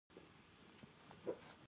دا تضاد هغه وخت بازار ته په تلو څرګندېږي